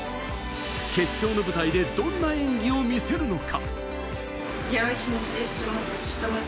決勝の舞台でどんな演技を見せるのか。